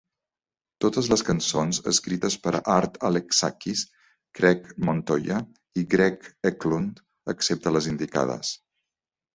Totes les cançons escrites per Art Alexakis, Craig Montoya i Greg Eklund, excepte les indicades.